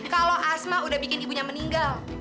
kalau asma udah bikin ibunya meninggal